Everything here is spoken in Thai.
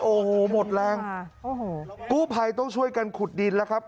โอ้โหหมดแรงโอ้โหกู้ภัยต้องช่วยกันขุดดินแล้วครับ